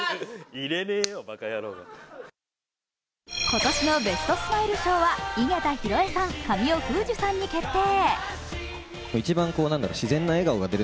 今年のベストスマイル賞は井桁弘恵さん、神尾楓珠さんに決定。